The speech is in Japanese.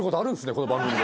この番組で。